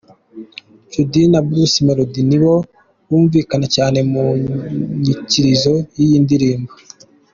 Jody na Bruce Melody nibo bumvikana cyane mu nyikirizo y’iyi ndirimbo.